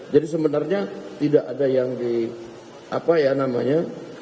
jadi sebenarnya tidak ada yang di apa ya namanya